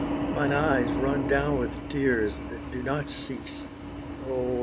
Mine eyes run down with tears that do not cease; Oh!